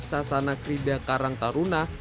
sasana krida karang taruna